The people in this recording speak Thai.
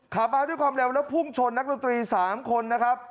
ขับมาด้วยความเร็วแล้วพุ่งชนนักดนตรี๓คนนะครับ